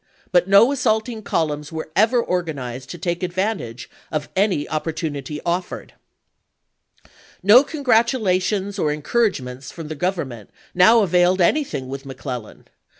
. but no assault ing columns were ever organized to take advantage of any opportunity offered." No congi'atulations or encouragements from the Government now availed anything with McClellan.